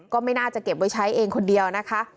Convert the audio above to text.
ก็ไม่น่าจะเก็บไว้ใช้เองคนเดียวนะคะ